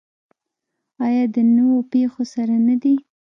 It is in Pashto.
آیا د نویو پیښو سره نه دی؟